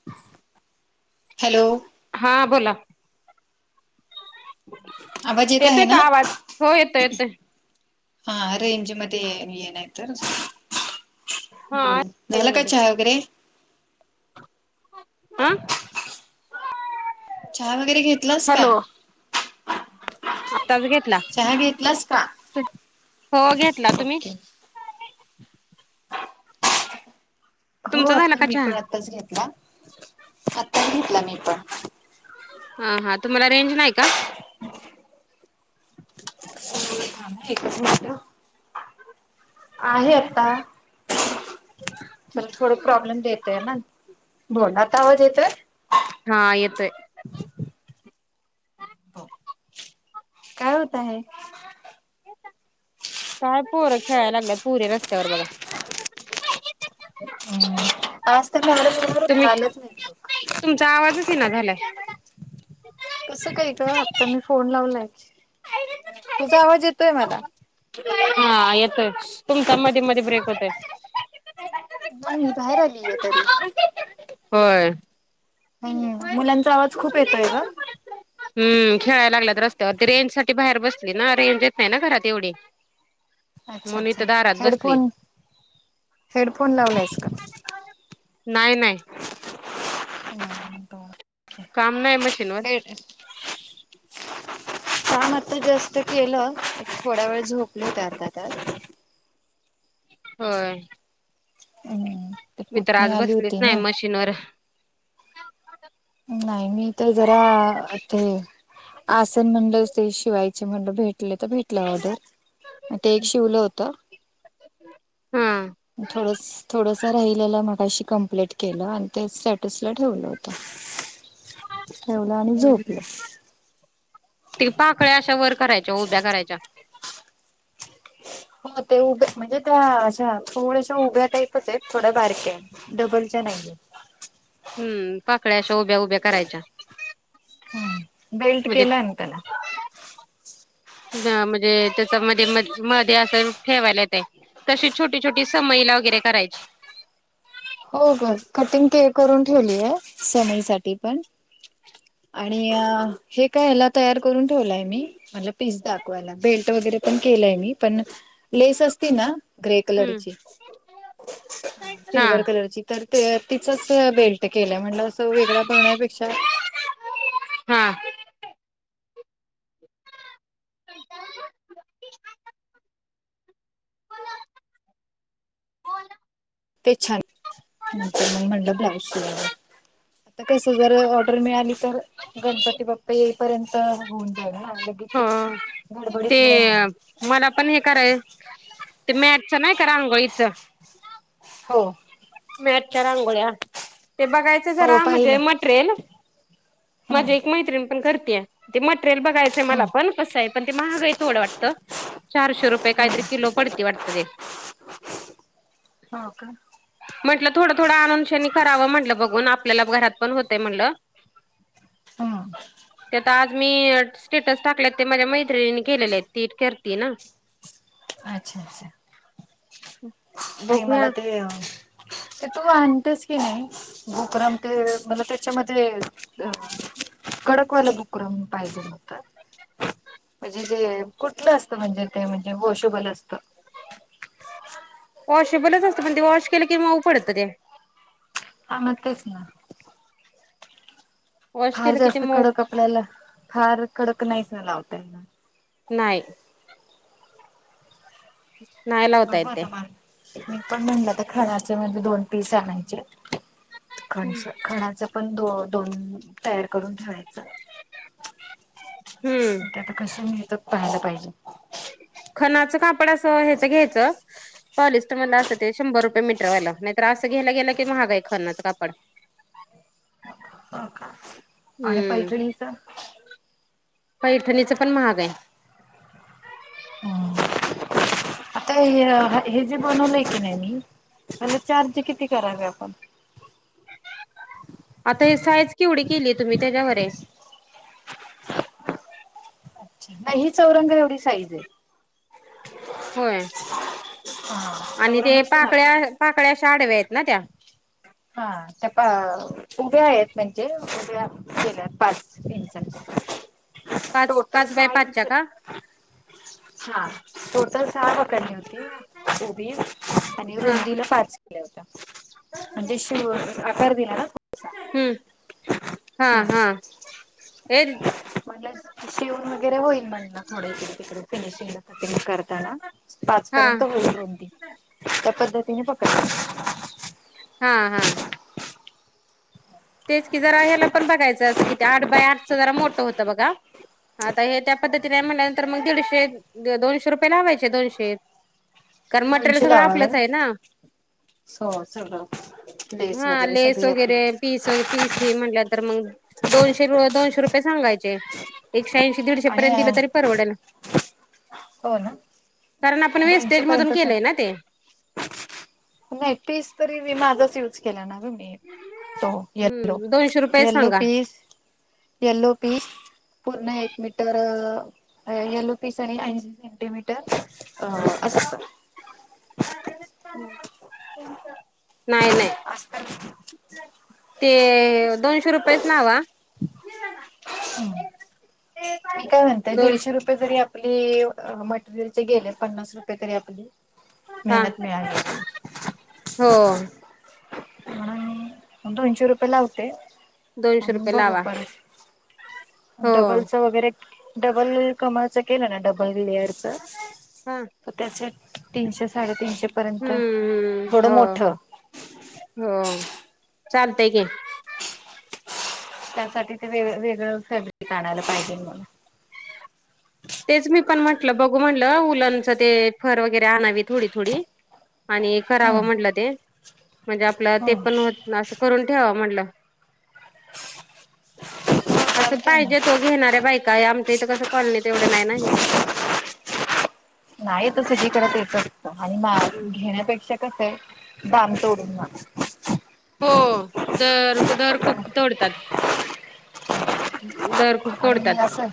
[unintelligible] Hello! हा बोला. आवाज येत आहे येतोय का ना? आवाज हो येतोय येतोय हा रेंज मध्ये ये ये नाही तर हा बोल रेंज झाला का मध्ये चहा वगैरे? आं? चहा वगैरे घेतलास का? आत्ताच घेतला चहा घेतलास का तु हो घेतला तुम्ही? ओके हो तुमचा झाला आता का मी चहा पण आत्ताच घेतला आत्ताच घेतला मी पण. हा हा तुम्हाला रेंज नाही का? ह [unintelligible] पुढे थांब एकच मिनट आहे आता. तर थोड प्रॉब्लेम देतय ना बोल आता आवाज येतोय? हा येतोय. काय होत आहे? काय पोरं खेळायला लागलं पुरे रस्त्यावर बघा. आज तर [unintelligible] तुम्ही होता आलंच नाही. तुमचा आवाजच ये ना झालाय. कस काय ग आता मी फोन लावलाय तुझा आवाज येतोय मला. हा येतोय तुमचा मध्ये मध्ये ब्रेक होतय. नाही मी बाहेर आलीय तरी. होय. हम्म हम्म मुलांचा आवाज खूप येतोय ग. हम्म खेळायला लागलेत रस्त्यावरती रेंज साठी बाहेर बसली ना रेंज येत नाही ना घरात एवढी. अच्छा म्हणून अच्छा इथं दारात बसली हेडफोन. हेडफोन लावलास का? नाही नाही हो काम नाही मशीनवर. [unintelligible] काम आता जस्ट केलं थोडा वेळ झोपले होते अर्धातास. होय.. हम्म ते मी तर पुतणी आज आली बसलीच होती नाही ना मशीनवर. नाही मी तर जरा ते. आसन म्हंटलं ते शिवायचे म्हण भेटले तर भेट ऑर्डर ते एक शिवलं होत हा. थोडंसं थोडं राहिलेलं मगाशी कंप्लेट केलं आणि ते स्टेटसला ठेवलं होतं. ठेवलं आणि झोपलं. ते पाकळ्या अशा वर करायच्या उभ्या करायच्या. हो ते उभ्या म्हणजे त्या अशा थोड्याशा उभ्या टाईपच आहेत. थोड्या बारक्या डबलच्या नाहीये. हम्म पाकळ्या अशा उभ्या उभ्या करायच्या. हम्म बेलट म्हणजे केलाय ना त्याला. वा म्हणजे त्याचा मध्ये म मध्ये असं ठेवायला येतय. तशी छोटी छोटी समईला वगैरे करायची. हो ग कटिंग के-करून ठेवली आहे, समईसाठी पण. आणि हे काय ह्याला तयार करून ठेवलाय मी. मला पीस दाखवायला बेल्ट वगैरे पण केलंय मी पण लेस असती ना. ग्रे हम्म कलरची हा. सिल्वर. त्याची तर तिचच बेल्ट केलं म्हण असं वेगळ बनण्यापेक्षा. हा.. [inaudible] ते छान मग म्हटलं ब्लाउज शिवावा. कस जर ऑर्डर मिळाली तर गणपती बाप्पा येईपर्यंत होऊन जाईल ना. लगेच हो ते.. गडबडीत नाही होणार. मला पण हे कराय ते मॅटच नाही का? रांगोळीचं. हो. मॅटच्या रांगोळ्या ते बघायच्या ते हो जरा म्हणजे पाहिलं. मटेरियल हम्म माझी एक मैत्रीण पण करते मटेरियल बघायच ते मला हम्म पण कसं आहे पण ते महागाई थोडं वाटतं चारशे रुपये हम्म. काहीतरी किलो पडती वाटत ते. हा का? म्हटलं थोडं थोडं आणून शाण करावं म्हटलं बघून आपल्याला घरात पण होतय म्हटलं. हा ते तर आज मी स्टेटस टाकलेत ते माझ्या मैत्रिणीनी केलेले आहेत, ती करती ना. अच्छा अच्छा! ! नाही मला बघूया ते ते तू आणतेस की नाही. गोकर्णाम ते मला त्याच्यामध्ये अ. कडकवाला बुकरम पाहिजे होता. म्हणजे जे कुठलं असतं म्हणजे ते म्हणजे वॉशेबल असतं. वॉशेबलच असतं पण ते वॉश केलं की मऊ पडतं ते. हा मग तेच ना वॉश फार केलं कि ते जास्त मऊ कडक आपल्याला फार कडक नाहीच लावता येणार नाही. नाही लावता येत बघू ते आता मला मी पण म्हणलं आता खणाचे म्हणजे दोन पीस आणायचे. खणच खणाचा पण द दोन तयार करून ठेवायचं हम्म ते आता कशा मिळतात पहायला पाहिजे. खनाचं कापड असं ह्याच घ्यायचं पॉलिस्टर मला असं ते शंभर रुपये मीटरवालं नाहीर असं घ्यायला गेलं की महागय आहे खननाचं कापड हो का आणि हम्म पैठणीच पैठणीच पण महाग आहे. हा. आता हे जे बनवलंय की नाही मी त्याला चार्ज किती करावे आपण आता हे साईज केवढी केली तुम्ही त्याच्यावर आहे अच्छा नाही ही चौरंग एवढी साईज आहे होय हा आणि चौरंग ते असतो ना पाकळ्या आपला पाकळ्या अशा आडव्या आहेत ना त्या? हा त्या पा उभ्या आहेत म्हणजे उभ्या केल्या पाच इंच पाच टोटल पाच बाय सहा पाचच्या इंच का हा. टोटल सहा बकरनी होती उबी आणि हा रुंदीला पाच म्हणजे शिव आकार दिला ना थोडासा हम्म हा, हा हम्म हे म्हणलं शिवून वगैरे होईल म्हणल थोड इकडे तिकडे फिनिशिंगला. ते मी करताना हा पाचपर्यंत होईल रुम ती त्या पद्धतीने पकड हा, हा तेच की जरा ह्याला पण बघायचं असं किती आठ बाय आठचं जरा मोठं होतं बघा. आता हे त्या पद्धतीने म्हटल्यानंतर मग दीडशे दोनशे रुपये लावायचे दोनशे कारण मटेरियल सगळं आपलंच आहे ना सो सगळं लेस हा वगैरे लेस सगळी आपली वगैरे पीस, पीस हे म्हटल्या तर मग दोनशे, दोनशे रुपये सांगायचे ते एकशे ऐंशी आणि दीडशेपर्यंत दिलं तरी परवडेल. हो ना, कारण आपण दोनशे वेस्टेज मधून पर्यंत सांग. केलंय ना ते. नाही पीस तरी मी माझाच युज केला ना ग मी हो यल्लो, हम्म दोनशे रुपयेच यल्लो सांगा पीस यल्लो पीस पूर्ण एक मीटर यल्लो पीस आणि ऐं सेंटीमीटर अ असत [unintelligible] नाही नाही. असत. ते दोनशे रुपयेच नावा. हम् मी काय म्हणतय दोन दीडशे रुप ते जरी आपली मटेरियलचे गेले पन्नास रुपये तरी आपली हा मेहनत मिळाली हो ह दोनशे रुपये लावते दोनशे आणि रुपये बघु लावा आपण हो डबलच वगैरे डबल कमळच केलं ना डबल लेअरच हा तर त्याचे तीनशे साडेतीनशेपर्यंत हम्म थोडं हो मोठं. हो चालतय घे त्यासाठी ते वेग वेगळं फॅब्रिक आणायला पाहिजे मग तेच मी पण म्हटलं बघू म्हटलं उलानच ते फर वगैरे आणावे थोडी, थोडी आणि हम्म करावं म्हटलं ते म्हणजे आपलं ते हम्म पण होत असं करून ठेवावं म्हणलं. असं चालतय पाहिजे ना तो घेणार आहे बाय काय आमच्या इथं कसं कॉलनी तेवढे नाही ना हे नाही आता सगळीकडं तेच असतं आणि मा हम्म. घेण्यापेक्षा कसं आहे बाम तोडून ना हो दर दर खूप तोडतात दर खूप आणि तोडतात असं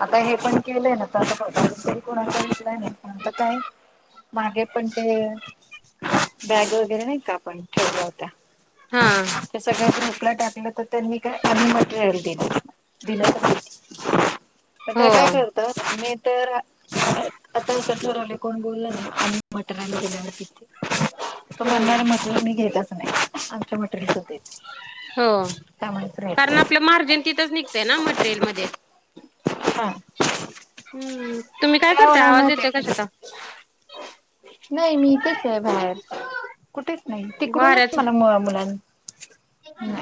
आता हे पण केलंय ना ते आता तरी कोणाचा रिप्लाय नंतर काय मागे पण ते बॅग वगैरे नाही का आपण ठेवल्या होत्या. हां. ते सगळं खोकला टाकलं तर त्यांनी काय आम्ही मटेरियल दिलं. दिलं [inaudible] हो ते काय करतात मी तर आता असं ठरवले कोण बोललं ना आम्ही [unintelligible] तो म्हणणारे हम्म मटर मी घेत्याच नाही आमच्या मटर. [unintelligible] हो कारण आपलं मार्जिन तिथंच निघ ते ना मटेरियलमध्ये? हा हम्म. तुम्ही काय करताय होणार आवाज येतोय माहितीये कशाचा? नाही मी इथेच आहे बाहेर. कुठेच नाही तिकडूनच वाऱ्याचा मला मळ मुलान.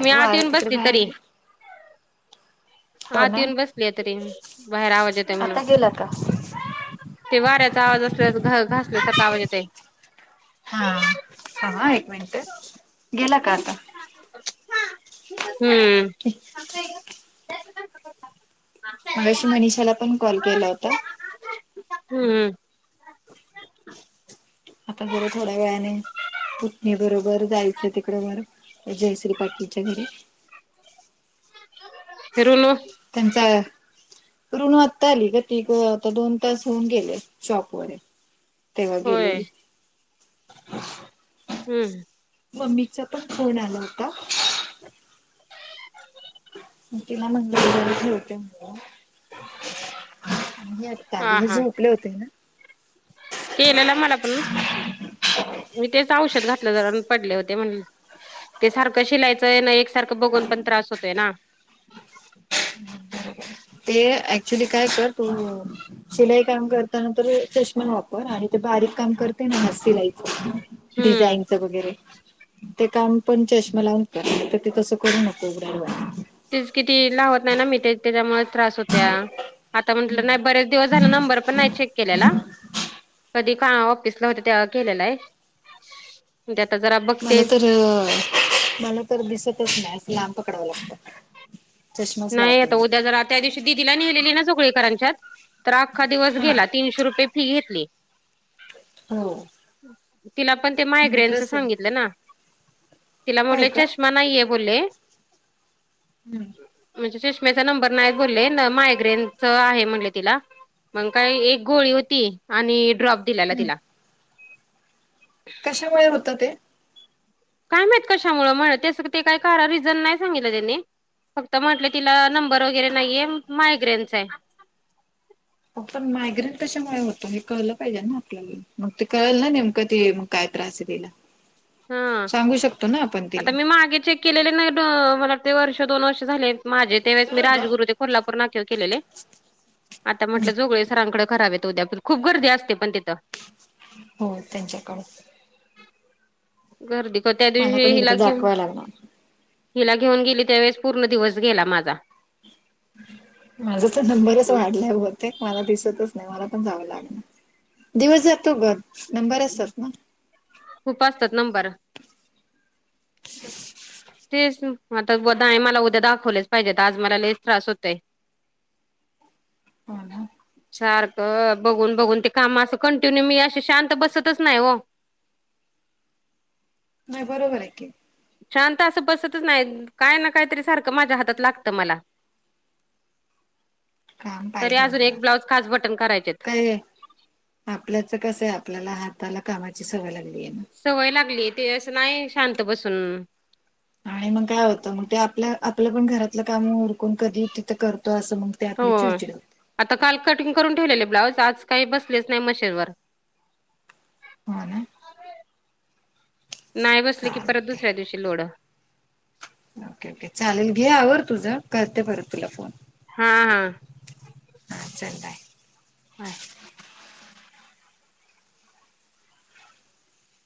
मी आत वार येऊन तिकडं बसली बाहेर तरी आहे. हो आत ना येऊन बसली आहे तरी मी, बाहेर आवाज येतोय म्हणून. आता गेला का ते वाऱ्याचा आवाज असल्यास घ घासल्यासारख आवाज येतोय. हा हा हा एक मिनटं गेला का आता? हम्म. मगाशी मनीषाला पण कॉल केला होता. हम्म. आता जरा थोड्या वेळाने पुटनी बरोबर जायचं तिकडं मर जयश्री पाटीलच्या घरी. फिरुनो त्यांचा ऋणु आत्ता आली ग ती ग आता दोन तास होऊन गेले शॉपवर आहे. तेव्हा होय गेलेली. हम्म. मम्मीचा पण फोन आला होता. तिला म्हटलं [unintelligible] ताली हा हे हा झोपले होते ना. केलेला मला पण मी तेच औषध घातलं जरा पडले होते म्हणून. ते सारखं शिलाईचं हे ना एकसारखं बघून पण त्रास होतोय ना. ते ऍक्च्युली काय कर तू शिलाई काम करताना तर चष्मा वापर आणि ते बारीक काम करते ना सिलाईच हम्म डिझाईनच वगैरे ते काम पण चष्मा लावून कर ते तसं करू नको उघड्या डोळ्या तेच की ती लावत नाही ना मी ते त्याच्यामुळच त्रास होत्या. आता म्हटलं नाही बरेच दिवस झाला नंबर पण नाही चेक केल्याला. कधी का ऑफिसला होते तेव्हा केलेला आहे? म्हणते आता जरा मला बघते तर मला तर दिसतच नाही असं लांब पडवां लागतं. चष्माच नाही लावते आता मी उद्या जरा त्या दिवशी दिदीला नेहलेली ना सगळी करांच्यात तर आख्खा दिवस हा गेल्यात. तीनशे रुपये फी घेतली. हो. तिला पण ते नंबर मायग्रेनचा असेल सांगितलं ना तिला हो म्हणले का चष्मा नाहीये बोलले. हम्म. म्हणजे चष्मेचा नंबर नाहीत बोलले मायग्रेनच आहे म्हणले तीला. मग काय एक गोळी होती आणि ड्रॉप दिलेला हम्म तीला कशामुळे होत ते काय मात कशामुळं [unintelligible] ते ते काही करा रिझन नाही सांगितलं त्यानी. फक्त म्हंटले तिला नंबर वगैरे नाहीये, मायग्रेनचा आहे. फक्त मायग्रेंट कशामुळे होतं हे कळलं पाहिजे ना आपल्याला मग ते कळेल ना नेमकं ते काय त्रास देईल. [unintelligible] हा आता मी मागितली केलेले नाही मला वाट ते वर्ष दोन वर्ष झाले माझे तेवेळेस मी राजगुरु हम्म, ते कोल्हापूर नाक्यावर केलेले. आता म्हटलं जोगळे सरांकडे करावेत उद्याप खूप गर्दी असते पण तथं. हो त्यांच्याकडून. गर्दी का त्या मला दिवशी पण हिला एकदा घेऊन दाखवाय लागणार हिला घेऊन गेली त्यावेळेस पूर्ण दिवस गेला माझा. माझा तर नंबरच वाढलाय बहुतेक. मला दिसतच नाही मला पण जावं लागणार दिवस जातो घर नंबर असतात ना. खूप असतात नंबर. तेच आता बा आणि मला उद्या दाखवलेच पाहिजेत, आज मला लच त्रास होतय. [inaudible] सारखं बघून बघून ते काम असं कंटिन्यू मी अशी शांत बसतच नाही हो. नाय बरोबर हाय की. शांत असं बसतच नाय, काय ना कायतरी सारखं माझ्या हातात लागतं मला. काम तरी पाहिजे अजून मला एक ब्लाउज खास बटन करायचेत. काय आहे? आपल्याच कसं आहे आपल्याला हाताला कामाची सवय लागली आहे ना. सवय लागली, ते असं नाही शांत बसून. आणि मग काय होतं मग ते आपलं आपलं पण घरातलं काम उरक. कोण कधी तिथं करतो असं मग ते आपली हो. चिडचिडत. आता काल कटिंग करून ठेवलेले ब्लाऊज आज काही बसलेच नाही मशीनवर. हो ना. नाही बसले की परत चालते दुसऱ्या दिवशी लोड. ओके ओके चालेल, घे आवर तुझं करते परत तुला फोन. हा हा. हा चल हाय. व्हय.